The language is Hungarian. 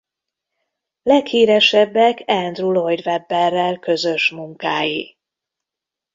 Leghíresebbek Andrew Lloyd Webberrel közös munkái.